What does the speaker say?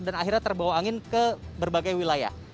dan akhirnya terbawa angin ke berbagai wilayah